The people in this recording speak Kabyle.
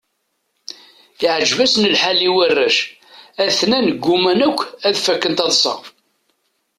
Iɛǧeb-asen lḥal i warrac, atnan gguman akk ad fakken taḍsa.